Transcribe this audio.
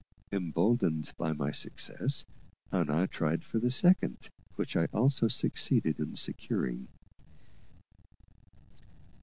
Emboldened by my success, I now tried for the second, which I also succeeded in securing.